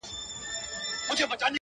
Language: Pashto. مسجد دي هم خپل و’ په درمسال دي وکړ